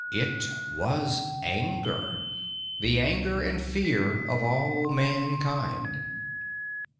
It was anger. The anger and fear of all Mankind.